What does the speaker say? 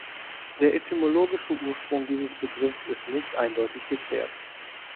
Der etymologische Ursprung dieses Begriffs ist nicht eindeutig geklärt.